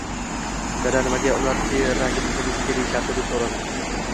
Dada, nimaga ular teragimizni bizniki deyishyapti? – deb soʻradim.